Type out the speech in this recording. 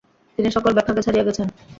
তিনি সকল ব্যাখ্যাকে ছাড়িয়ে গেছেন।